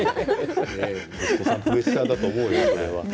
お子さん、プレッシャーだと思うわ。